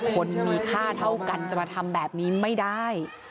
คนมีค่าเท่ากันจะมาทำแบบนี้ไม่ได้